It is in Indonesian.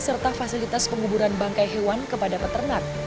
serta fasilitas penguburan bangkai hewan kepada peternak